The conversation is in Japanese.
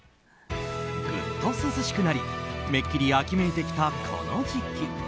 ぐっと涼しくなりめっきり秋めいてきたこの時期。